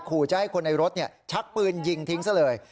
ขู่จะให้คนในรถชักปืนยิงทิ้งซะเลย